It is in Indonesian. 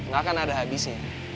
gak akan ada habisnya